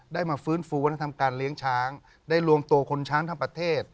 มาฟื้นฟูวัฒนธรรมการเลี้ยงช้างได้รวมตัวคนช้างทั้งประเทศ